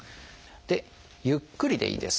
ゆっくりでいいです。